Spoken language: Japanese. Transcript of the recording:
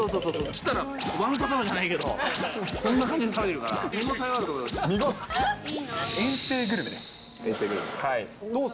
来たらわんこそばじゃないけど、そんな感じで食べてるから、遠征グルメでございます。